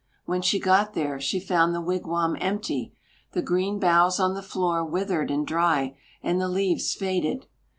When she got there, she found the wigwam empty, the green boughs on the floor withered and dry, and the leaves faded.